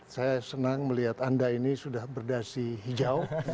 saya senang melihat anda ini sudah berdasi hijau